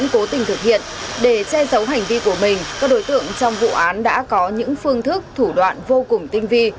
các đối tượng trong vụ án đã có những phương thức thủ đoạn vô cùng tinh vi